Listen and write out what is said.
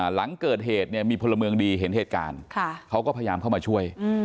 หลังเกิดเหตุเนี่ยมีพลเมืองดีเห็นเหตุการณ์เขาก็พยายามเข้ามาช่วย